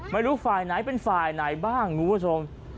ไม่รู้ฝ่ายไหนเป็นฝ่ายไหนบ้างคุณผู้ชม